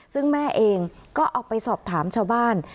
ซึ่งแม่เองก็เอาไปสอบถามชาวบ้าน